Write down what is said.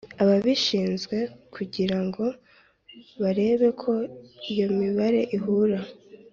ababishinzwe kugira ngo barebe ko iyo mibare ihura